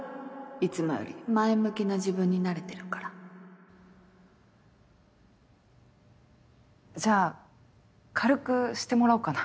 いつもより前向きな自分になれてるからじゃあ軽くしてもらおうかな。